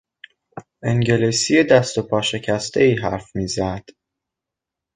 انگلیسی دست و پا شکستهای حرف میزد.